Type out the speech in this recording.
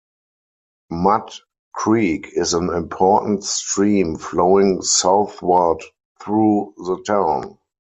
Mud Creek is an important stream flowing southward through the town.